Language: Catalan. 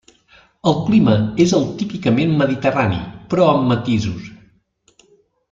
El clima és el típicament mediterrani però amb matisos.